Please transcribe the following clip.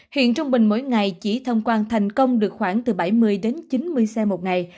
hiện trung bình mỗi ngày chỉ thông quan thành công được khoảng từ bảy mươi đến chín mươi xe một ngày